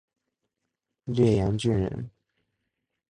略阳郡人。